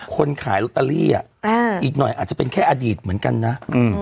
คนขายอ่าอีกหน่อยอาจจะเป็นแค่อดีตเหมือนกันนะอืม